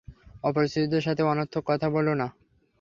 অপরিচিতদের সাথে অনর্থক কথা বলো না।